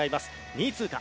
２位通過。